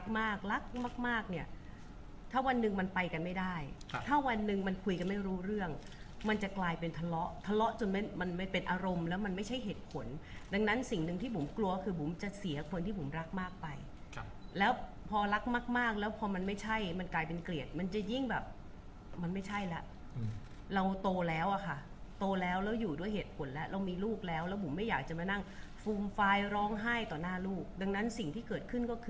มันจะกลายเป็นทะเลาะทะเลาะจนมันไม่เป็นอารมณ์แล้วมันไม่ใช่เหตุผลดังนั้นสิ่งหนึ่งที่ผมกลัวคือผมจะเสียคนที่ผมรักมากไปแล้วพอรักมากแล้วพอมันไม่ใช่มันกลายเป็นเกลียดมันจะยิ่งแบบมันไม่ใช่แล้วเราโตแล้วค่ะโตแล้วเราอยู่ด้วยเหตุผลแล้วเรามีลูกแล้วแล้วผมไม่อยากจะมานั่งฟูมฟายร้องไห้ต่อหน้าลูกด